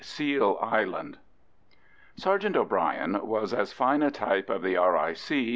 SEAL ISLAND. Sergeant O'Bryan was as fine a type of the R.I.C.